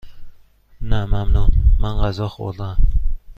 نه ممنون، من غذا خوردهام.